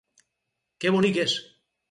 Que bonic és!